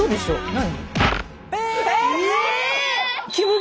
何？